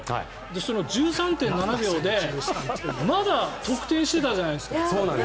その１３．７秒でまだ得点してたじゃないですか。